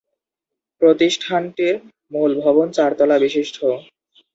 প্রতিষ্ঠানটির মূল ভবন চারতলা বিশিষ্ট।